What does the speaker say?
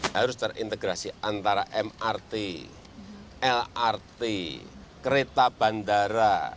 harus terintegrasi antara mrt lrt kereta bandara